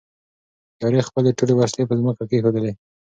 تیارې خپلې ټولې وسلې په ځمکه کېښودلې.